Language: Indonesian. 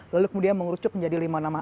lalu kemudian mengurucuk menjadi lima nama